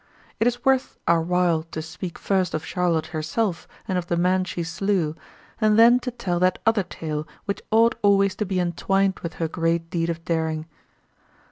It is worth our while to speak first of Charlotte herself and of the man she slew, and then to tell that other tale which ought always to be entwined with her great deed of daring.